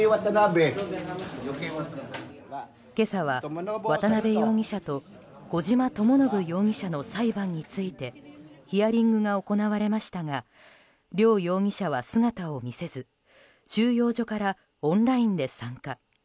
今朝は渡邉容疑者と小島智信容疑者の裁判についてヒアリングが行われましたが両容疑者は姿を見せず収容所からオンラインで参加。